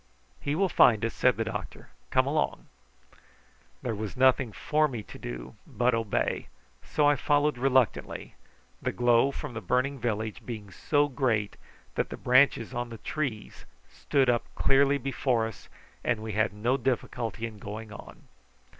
"He will find us," said the doctor. "Come along." There was nothing for me to do but obey, so I followed reluctantly, the glow from the burning village being so great that the branches of the trees stood up clearly before us, and we had no difficulty in going on.